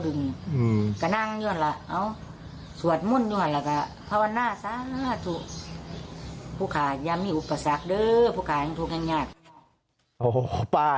ผู้ข่ายามไม่อุปสรรคเด้อผู้ข่าก็ถูกงัก